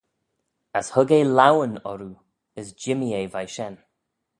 As hug eh e laueyn orroo, as jimmee eh veih shen.